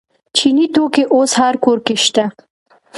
چیني توکي اوس هر کور کې شته.